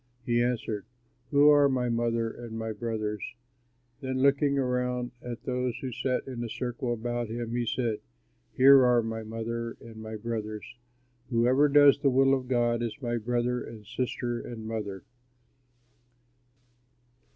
He answered, "Who are my mother and my brothers?" Then looking around at those who sat in a circle about him, he said, "Here are my mother and my brothers. Whoever does the will of God is my brother and sister and mother."